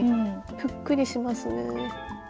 ぷっくりしますね。